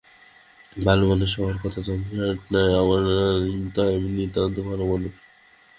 ভালোমানুষ হওয়ার কোনো ঝঞ্ঝাট নাই, তাই আমি নিতান্ত ভালোমানুষ।